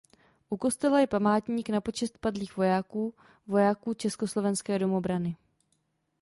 U kostela je památník na počest padlých vojáků vojáků Československé domobrany.